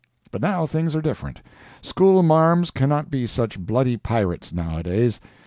But now things are different. School marms cannot be such bloody pirates nowadays.